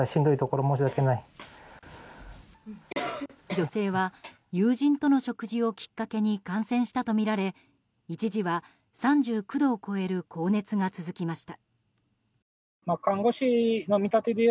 女性は友人との食事をきっかけに感染したとみられ一時は３９度を超える高熱が続きました。